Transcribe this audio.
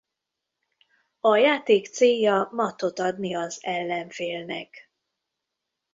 A játék célja mattot adni az ellenfélnek.